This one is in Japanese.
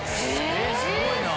えすごい！